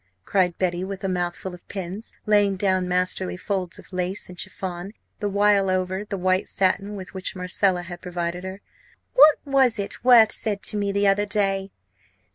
cried Betty, with a mouthful of pins, laying down masterly folds of lace and chiffon the while over the white satin with which Marcella had provided her. "What was it Worth said to me the other day?